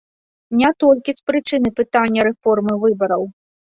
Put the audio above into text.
Не толькі з прычыны пытання рэформы выбараў.